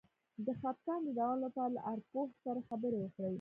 د خپګان د دوام لپاره له ارواپوه سره خبرې وکړئ